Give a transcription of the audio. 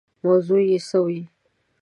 موضوع یې څه وي.